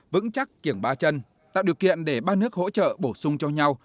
vững chắc kiểng ba chân tạo điều kiện để ba nước hỗ trợ bổ sung cho nhau